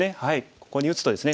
ここに打つとですね